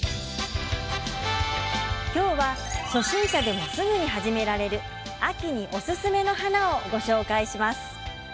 今日は、初心者でもすぐに始められる秋におすすめの花をご紹介します。